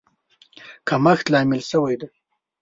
کمښت لامل شوی دی.